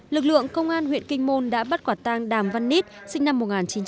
lực lượng công an huyện kinh môn đã bắt quả tang đàm văn nít sinh năm một nghìn chín trăm tám mươi